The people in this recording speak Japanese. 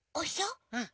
うん。